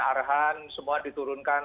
arhan semua diturunkan